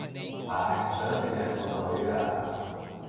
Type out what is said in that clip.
唉，想食人個女啊